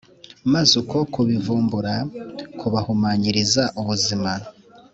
maze uko kubivumbura kubahumanyiriza ubuzima.